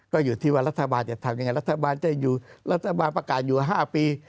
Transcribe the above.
ก็อยู่ที่ว่ารัฐบาลจะทำยังไงรัฐบาลจะอยู่รัฐบาลประกาศอยู่๕ปี